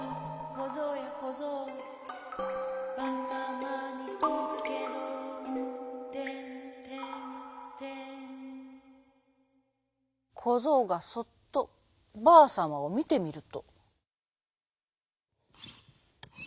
「こぞうやこぞうばさまにきいつけろ」「てんてんてん」こぞうがそっとばあさまをみてみると。